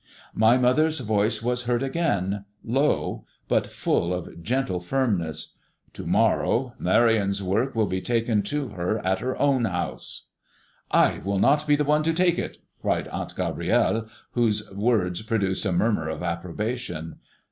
My mother's voice was heard again, low, but full of gentle firmness. "To morrow Marion's work will be taken to her at her own house." "I will not be the one to take it," cried Aunt Gabrielle, whose words produced a murmur of approbation.